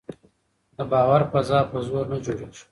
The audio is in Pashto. د باور فضا په زور نه جوړېږي